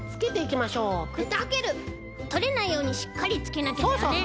とれないようにしっかりつけなきゃだよね？